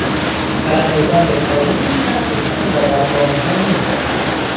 پرندگان به پایین میچرخیدند و بر بامها مینشستند.